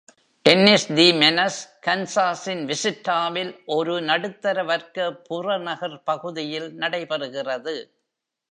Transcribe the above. "Tennis the Menace" கன்சாஸின் விசிட்டாவில் ஒரு நடுத்தர வர்க்க புறநகர் பகுதியில் நடைபெறுகிறது.